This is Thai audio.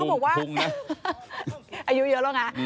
อายุเยอะรึยัง